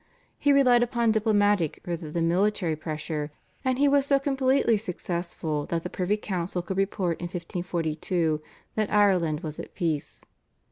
He relied upon diplomatic rather than military pressure, and he was so completely successful that the privy council could report in 1542 that Ireland was at peace.